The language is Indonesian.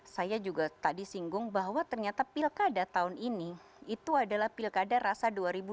saya juga tadi singgung bahwa ternyata pilkada tahun ini itu adalah pilkada rasa dua ribu dua puluh